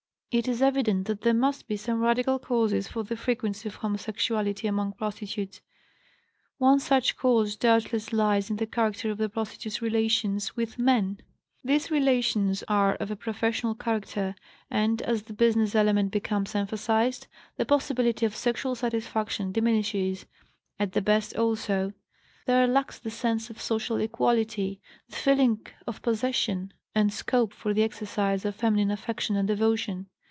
It is evident that there must be some radical causes for the frequency of homosexuality among prostitutes. One such cause doubtless lies in the character of the prostitute's relations with men; these relations are of a professional character, and, as the business element becomes emphasized, the possibility of sexual satisfaction diminishes; at the best, also; there lacks the sense of social equality, the feeling of possession, and scope for the exercise of feminine affection and devotion.